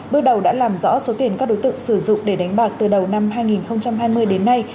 bước đầu đã làm rõ số tiền các đối tượng sử dụng để đánh bạc từ đầu năm hai nghìn hai mươi đến nay